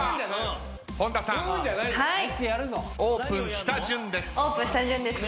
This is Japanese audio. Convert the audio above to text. オープンした順です。